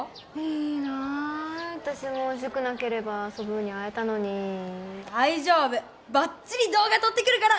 いいな私も塾なければソブーに会えたのに大丈夫ばっちり動画撮ってくるから！